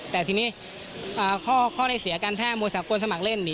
แต่ทีนี้ข้อได้เสียการแพร่มวยสากลสมัครเล่น